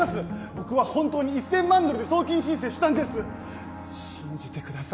僕は本当に１千万ドルで送金申請したんです信じてください！